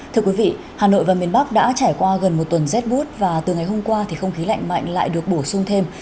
thưa quý vị hà nội và miền bắc đã trải qua gần một tuần rét bút và từ ngày hôm qua thì không khí lạnh mạnh lại được bổ sung thêm